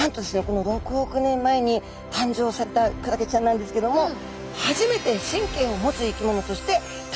この６億年前に誕生されたクラゲちゃんなんですけども初めて神経を持つ生き物として誕生したそうなんです。